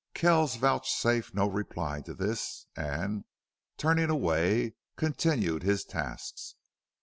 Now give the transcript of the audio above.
Kells vouchsafed no reply to this and, turning away, continued his tasks.